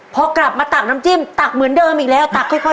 พอกลับมาตักน้ำจิ้มตักเหมือนเดิมอีกแล้วตักค่อย